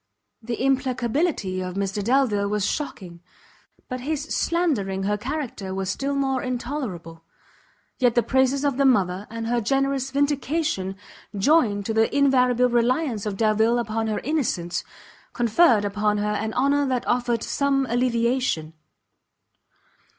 The implacability of Mr Delvile was shocking, but his slandering her character was still more intolerable; yet the praises of the mother, and her generous vindication, joined to the invariable reliance of Delvile upon her innocence, conferred upon her an honour that offered some alleviation.